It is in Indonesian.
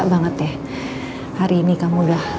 banget ya hari ini kamu udah